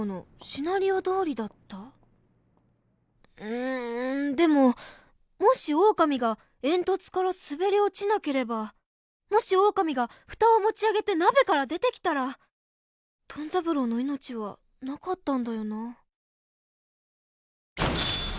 うんでももしオオカミが煙突から滑り落ちなければもしオオカミが蓋を持ち上げて鍋から出てきたらトン三郎の命はなかったんだよな。